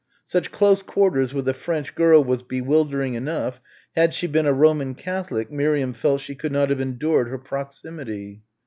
Such close quarters with a French girl was bewildering enough had she been a Roman Catholic, Miriam felt she could not have endured her proximity.